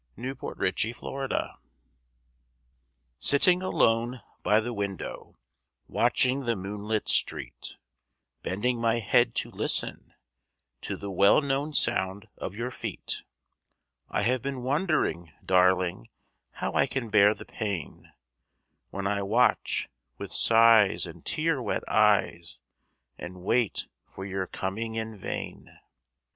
HER LAST LETTER Sitting alone by the window, Watching the moonlit street, Bending my head to listen To the well known sound of your feet, I have been wondering, darling, How I can bear the pain, When I watch, with sighs and tear wet eyes, And wait for your coming in vain.